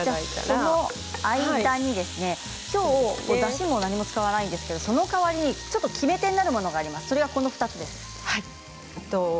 その間に、きょうはだしも何も使わないんですがその代わりに決め手になるものがあります。